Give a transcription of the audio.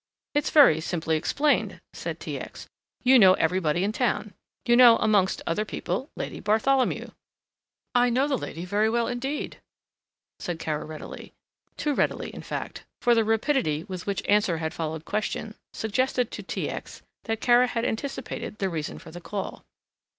"It is very simply explained," said T. X. "You know everybody in town. You know, amongst other people, Lady Bartholomew." "I know the lady very well indeed," said Kara, readily, too readily in fact, for the rapidity with which answer had followed question, suggested to T. X. that Kara had anticipated the reason for the call.